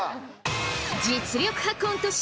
実力派コント師